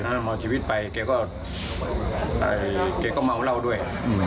มาเอาชีวิตไปเขาก็มาเอาเหล้าด้วย